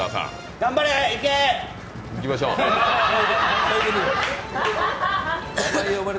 頑張れ！